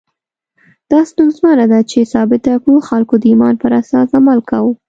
دا ستونزمنه ده چې ثابته کړو خلکو د ایمان پر اساس عمل کاوه.